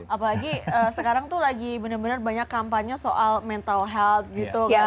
apalagi sekarang tuh lagi bener bener banyak kampanye soal mental health gitu kan